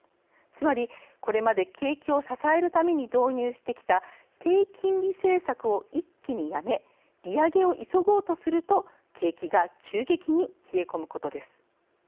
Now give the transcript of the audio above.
つまり、これまで景気を支えるために導入してきた低金利政策を一気にやめ利上げを急ごうとすると景気が急激に冷え込むことです。